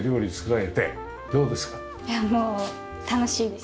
いやもう楽しいです。